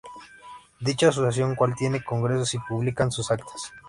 Dicha asociación cual tiene congresos y publican sus actas.